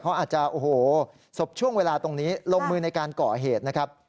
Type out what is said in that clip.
เขาอาจจะโอ้โหสบช่วงเวลาตรงนี้ลงมือในการก่อเหตุนะครับ